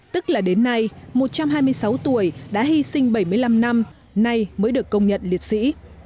tức là đến nay một trăm hai mươi sáu tuổi đã hy sinh bảy mươi năm năm nay mới được công nhận liệt sĩ